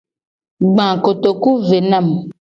Gba kotoku ve na mu.